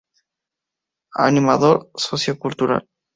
Animador Sociocultural.